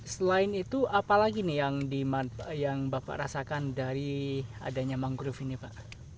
selain itu apa lagi nih yang bapak rasakan dari adanya mangrove ini pak